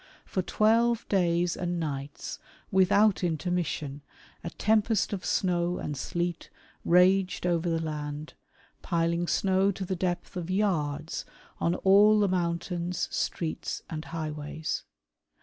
" For twelve days and nights without intermission, a tempest of *' snow and sleet raged over the land, piling snow to the depth " of yards on all the mountains, streets, and highways.